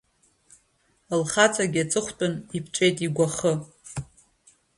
Лхаҵагьы аҵыхәтәан иԥҵәеит игәахы.